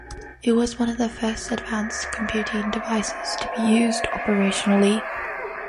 It was one of the first advanced computing devices to be used operationally.